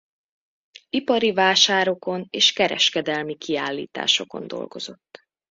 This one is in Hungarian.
Ipari vásárokon és kereskedelmi kiállításokon dolgozott.